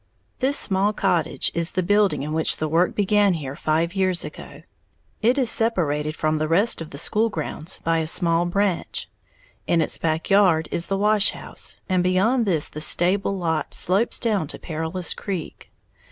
This small cottage is the building in which the work began here five years ago. It is separated from the rest of the school grounds by a small branch; in its back yard is the wash house, and beyond this the stable lot slopes down to Perilous Creek.